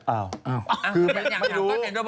ไม่รู้